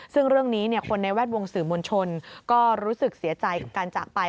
ซึ่งเรื่องนี้คนในแวดวงสื่อมวลชนก็รู้สึกเสียใจกับการจากไป